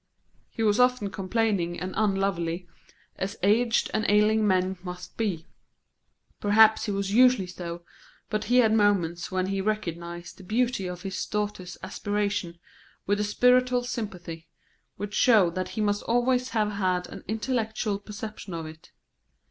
He was often complaining and unlovely, as aged and ailing men must be; perhaps he was usually so; but he had moments when he recognised the beauty of his daughter's aspiration with a spiritual sympathy, which showed that he must always have had an intellectual perception of it.